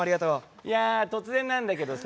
いや突然なんだけどさ。